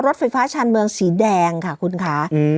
รถไฟฟ้าชาญเมืองสีแดงค่ะคุณคะ